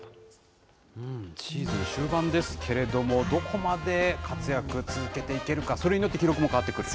シーズン終盤ですけれども、どこまで活躍続けていけるか、それによって記録も変わってくる？